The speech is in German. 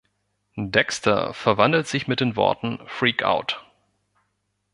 Dexter verwandelt sich mit den Worten "Freak out!